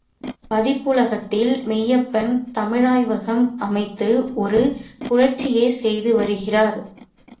பதிப்புலகில் மெய்யப்பன் தமிழாய்வகம் அமைத்து ஒரு புரட்சியே செய்து வருகிறார்.